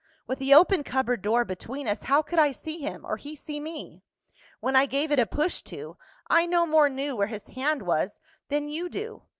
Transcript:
With the open cupboard door between us, how could I see him, or he see me? When I gave it a push to, I no more knew where his hand was, than you do.